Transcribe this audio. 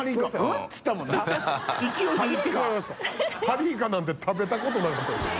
ハリイカなんて食べたことなかったです。